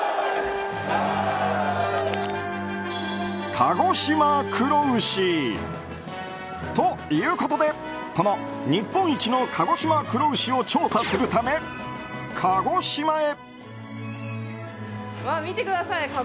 鹿児島黒牛。ということで、この日本一の鹿児島黒牛を調査するため鹿児島へ。